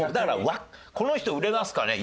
「この人売れますかね？」